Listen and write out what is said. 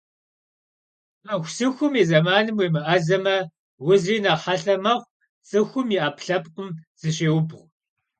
Пыхусыхум и зэманым уемыӀэзэмэ, узри нэхъ хьэлъэ мэхъу, цӀыхум и Ӏэпкълъэпкъым зыщеубгъу.